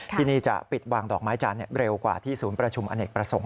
ที่นี่จะปิดวางดอกไม้จันทร์เร็วกว่าที่ศูนย์ประชุมอเนกประสงค์